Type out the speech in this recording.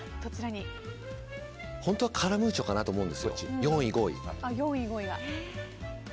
本当はカラムーチョかなと思うんです、４位、５位。